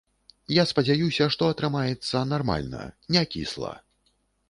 Я спадзяюся, што атрымаецца нармальна, не кісла.